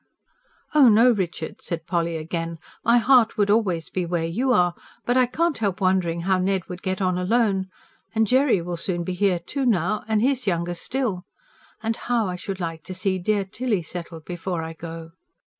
"Oh no, Richard," said Polly again. "My heart would always be where you are. But I can't help wondering how Ned would get on alone. And Jerry will soon be here too, now, and he's younger still. And HOW I should like to see dear Tilly settled before I go!"